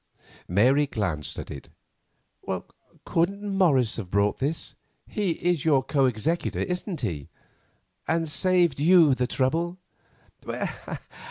Mary glanced at it. "Couldn't Morris have brought this?—he is your co executor, isn't he?—and saved you the trouble?"